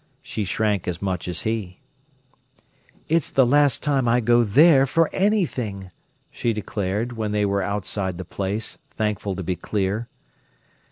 She shrank as much as he. "It's the last time I go there for anything!" she declared, when they were outside the place, thankful to be clear.